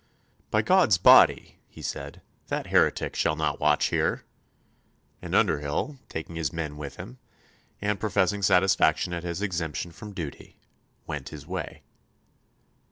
"By God's Body," he said, "that heretic shall not watch here!" and Underhyll, taking his men with him, and professing satisfaction at his exemption from duty, went his way.